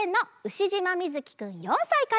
しじまみずきくん４さいから。